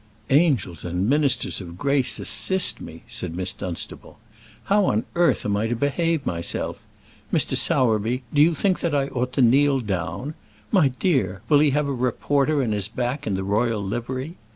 "Angels and ministers of grace, assist me!" said Miss Dunstable. "How on earth am I to behave myself? Mr. Sowerby, do you think that I ought to kneel down? My dear, will he have a reporter at his back in the royal livery?"